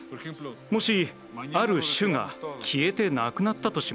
もしある種が消えてなくなったとしましょう。